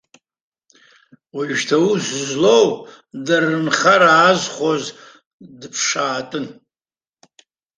Уажәшьҭа аус злоу, дара рынхара аазхәоз дыԥшаатәын.